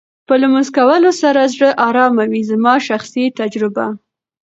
په لمونځ کولو سره زړه ارامه وې زما شخصي تجربه